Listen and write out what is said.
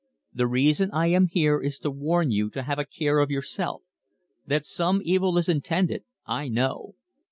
"The reason I am here is to warn you to have a care of yourself. That some evil is intended, I know.